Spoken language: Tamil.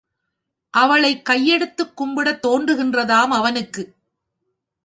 அவளைக் கையெடுத்துக் கும்பிடத் தோன்றுகின்றதாம் அவனுக்கு!